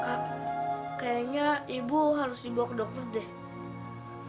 kayaknya ibu harus dibawa ke dokter deh